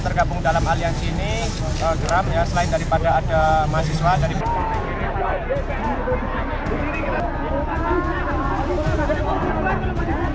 keringatan bahwa kenyataannya hanya membutuhkan mereka betul tidak